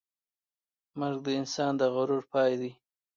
مرګ د انسان د غرور پای دی.